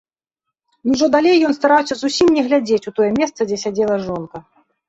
І ўжо далей ён стараўся зусім не глядзець у тое месца, дзе сядзела жонка.